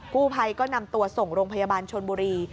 กู้ภัยก็นำตัวส่งโรงพยาบาลชนบุรี